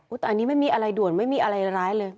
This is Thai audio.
อันนี้ไม่มีอะไรด่วนไม่มีอะไรร้ายเลย